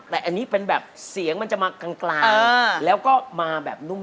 แต่อันนี้เป็นแบบเสียงมันจะมากลางแล้วก็มาแบบนุ่ม